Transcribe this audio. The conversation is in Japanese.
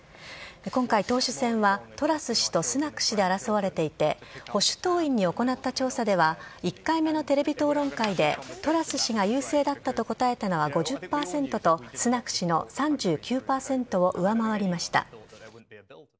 今回、党首選はトラス氏とスナク氏で争われていて保守党員に行った調査では１回目のテレビ討論会でトラス氏が優勢だったと答えたのは５０％とスナク氏の３９％を上回りました。